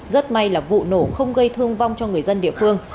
rất may là vụ nổ không gây thương vong cho người dân địa phương